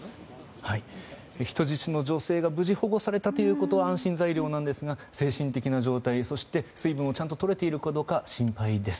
人質の女性が無事保護されたということは安心材料なんですが精神的な状態、そして水分をちゃんととれているかどうか心配です。